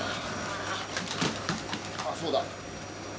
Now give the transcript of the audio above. あっそうだ。